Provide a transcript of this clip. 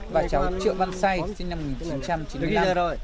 và cháu triệu văn say sinh năm một nghìn chín trăm chín mươi